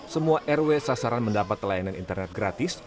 semua rw sasaran mendapat pelayanan internet gratis